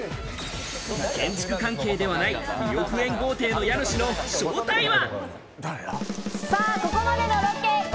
建築関係ではない２億円豪邸の家主の正体は？